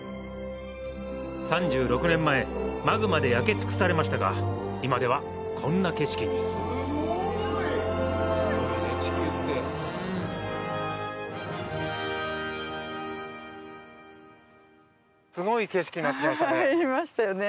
３６年前マグマで焼け尽くされましたが今ではこんな景色にすごい景色になってきましたね。